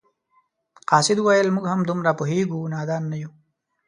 قاصد وویل موږ هم دومره پوهیږو نادان نه یو.